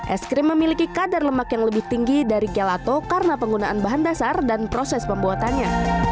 es krim memiliki kadar lemak yang lebih tinggi dari gelato karena penggunaan bahan dasar dan proses pembuatannya